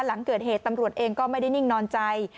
หลังเกิดเหตุตำรวจเองก็ไม่ได้นิ่งนอนใจ